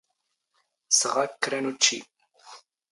ⵙⵖ ⴰⴽ ⴽⵔⴰ ⵏ ⵓⵜⵜⵛⵉ.